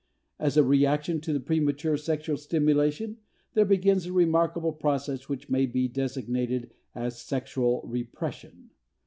As a reaction to the premature sexual stimulation there begins a remarkable process which may be designated as "sexual repression."